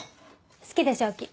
好きでしょ亜季。